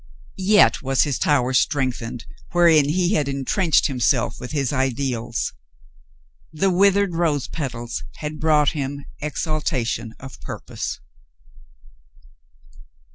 Yet was his tower strengthened wherein he had intrenched himself with his ideals. The withered rose petals had brought him exaltation of purpose.